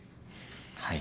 はい。